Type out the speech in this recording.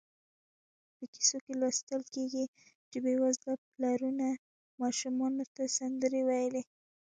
په کیسو کې لوستل کېږي چې بېوزله پلرونو ماشومانو ته سندرې ویلې.